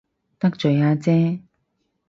得罪阿姐